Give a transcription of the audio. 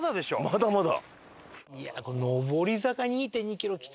まだまだ？